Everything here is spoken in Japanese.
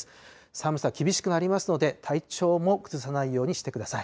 寒さ、厳しくなりますので、体調も崩さないようにしてください。